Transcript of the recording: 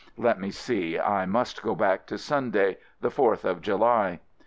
Let me see — I must go back to Sunday — the Fourth of July.